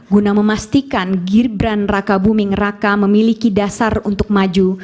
guna memastikan gibran raka buming raka memiliki dasar untuk maju